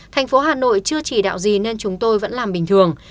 thành phố hà nội chưa chỉ đạo gì nên chúng tôi vẫn làm bình thường